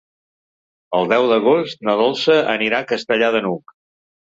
El deu d'agost na Dolça anirà a Castellar de n'Hug.